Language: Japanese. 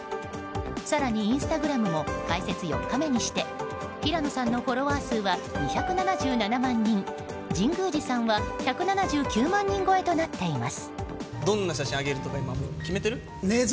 更に、インスタグラムも開設４日目にして平野さんのフォロワー数は２７７万人神宮寺さんは１７９万人超えとなっています。